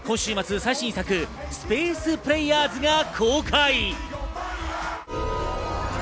最新作『スペース・プレイヤーズ』が公開。